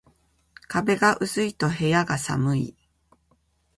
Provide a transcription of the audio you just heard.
壁が薄いと部屋が寒い